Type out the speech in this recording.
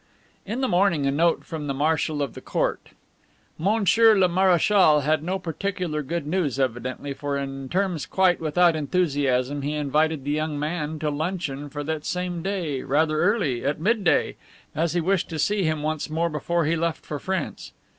In the morning a note from the Marshal of the Court. Monsieur le Marechal had no particular good news, evidently, for in terms quite without enthusiasm he invited the young man to luncheon for that same day, rather early, at midday, as he wished to see him once more before he left for France.